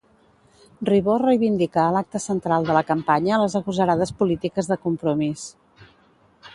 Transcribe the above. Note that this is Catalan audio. Ribó reivindica a l'acte central de la campanya les agosarades polítiques de Compromís.